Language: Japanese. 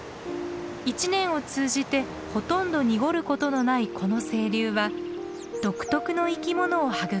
一年を通じてほとんど濁ることのないこの清流は独特の生き物を育みます。